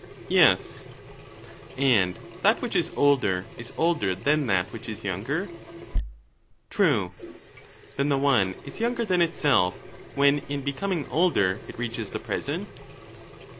Yes. And that which is older is older than that which is younger ? True. Then the one is younger than itself, when in becoming older it reaches the present